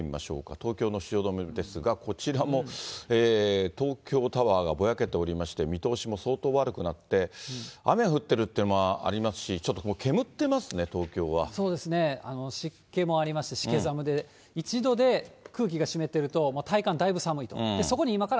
東京の汐留ですが、こちらも東京タワーがぼやけておりまして、見通しも相当悪くなって、雨降ってるっていうのもありますし、ちょっともう煙ってますね、そうですね、湿気もありますして、しけ寒で、１度で空気が湿っていると体感、だいぶ寒いと。